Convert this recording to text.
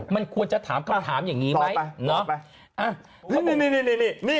ตัวตัดเจ็ดทริปนี่แหละอีบ้า